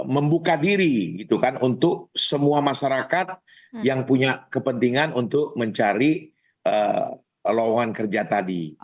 membuka diri gitu kan untuk semua masyarakat yang punya kepentingan untuk mencari lowongan kerja tadi